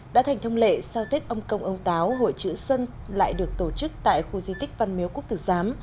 đã thành thông lệ sau tết ông công ông táo hội chữ xuân lại được tổ chức tại khu di tích văn miếu quốc tử giám